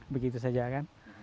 begitu saja kan